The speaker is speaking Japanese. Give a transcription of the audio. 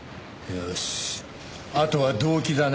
よしあとは動機だな。